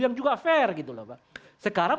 yang juga fair gitu loh pak sekarang